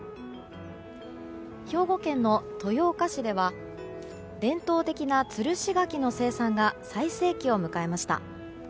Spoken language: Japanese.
兵庫県の豊岡市では伝統的なつるし柿の生産が最盛期を迎えました。